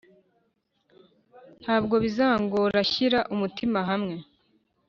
Ntabwo bizangora shyira umutima hamwe